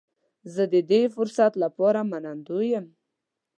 زه د دې فرصت لپاره منندوی یم.